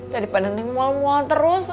daripada neng muwal mual terus